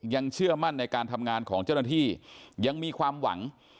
เชื่อมั่นในการทำงานของเจ้าหน้าที่ยังมีความหวัง